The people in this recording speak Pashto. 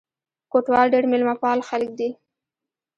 کوټوال ډېر مېلمه پال خلک دي.